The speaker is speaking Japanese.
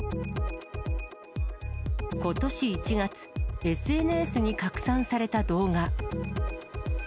ことし１月、ＳＮＳに拡散された動画。